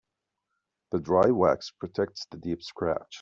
The dry wax protects the deep scratch.